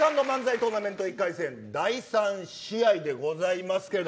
トーナメント１回戦第３試合でございますけれど。